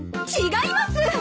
違います！